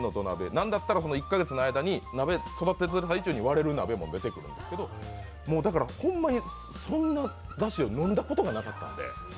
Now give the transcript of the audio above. なんだったら１か月の間に鍋育ててる最中に割れる鍋も出てくるんですけどだからそんなだしを飲んだことがなかったんで。